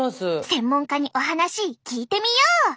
専門家にお話聞いてみよう！